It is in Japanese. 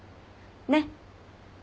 ねっ。